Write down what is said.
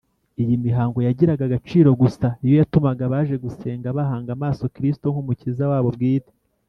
. Iyi mihango yagiraga agaciro gusa iyo yatumaga abaje gusenga bahanga amaso Kristo nk’Umukiza wabo bwite